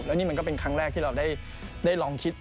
แล้วนี่มันก็เป็นครั้งแรกที่เราได้ลองคิด